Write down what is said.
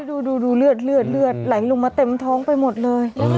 ดูเลือดเลือดไหลลงมาเต็มท้องไปหมดเลย